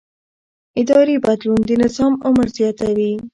اداري بدلون د نظام عمر زیاتوي